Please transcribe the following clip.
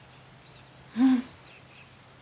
うん。